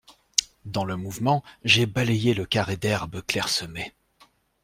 Dans le mouvement, j’ai balayé le carré d’herbes clairsemées.